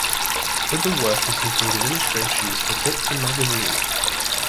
Other work has included illustrations for books and magazines.